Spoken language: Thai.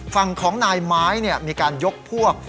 ฝั่งของนายไม้มีการยกพวก